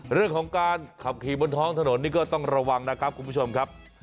เรื่องของการขับขี่บนท้องถนนนี่ก็ต้องระวังนะครับคุณผู้ชมครับ